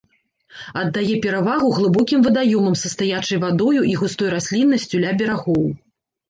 Аддае перавагу глыбокім вадаёмам са стаячай вадою і густой расліннасцю ля берагоў.